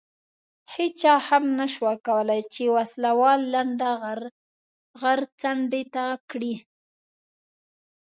هېچا هم نه شوای کولای چې وسله وال لنډه غر څنډې ته کړي.